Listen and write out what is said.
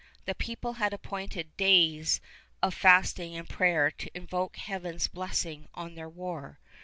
The people had appointed days of fasting and prayer to invoke Heaven's blessing on their war.